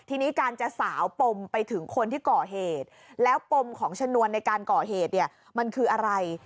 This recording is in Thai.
ทีนี้การจะสาวปมไปถึงคนที่ก่อเหตุแล้วปมของชนวนในการก่อเหตุเนี่ยมันคืออะไร